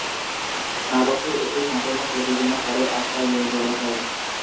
নাটকটির একটি সম্পূর্ণ প্রযোজনা পরে আক্রায় নিয়ে যাওয়া হয়।